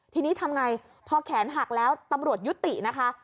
ทีนี้ทำไงพอแขนหักแล้วตำรวจยุตินะคะ